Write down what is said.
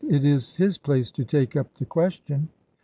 "It is his place to take up the question."